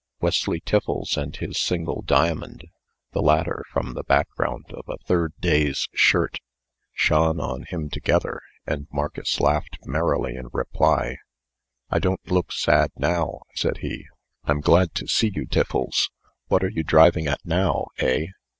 Wesley Tiffles and his single diamond (the latter from the background of a third day's shirt) shone on him together; and Marcus laughed merrily in reply: "I don't look sad now," said he. "I'm glad to see you, Tiffles. What are you driving at now, eh?"